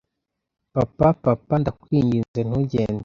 "Papa, Papa, ndakwinginze ntugende.